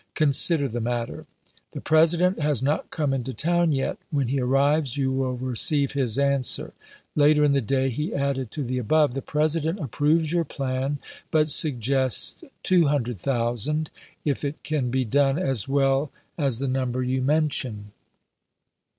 Consider the matter. The President has not come into town yet ; when he arrives you will receive his answer." Later in the day he added to the above :" The President ap proves yom* plan, but suggests 200,000, if it can be done as well as the number you mention."